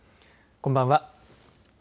こんばんは。